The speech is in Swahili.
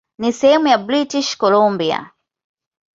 Ni sehemu ya British Columbia.